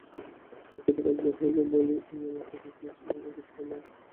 অকৃতকার্য হইলেই বলি, এই অমুকের দোষে এইরূপ হইল।